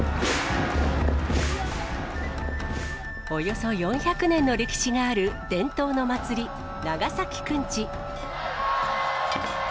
およそ４００年の歴史がある伝統の祭り、長崎くんち。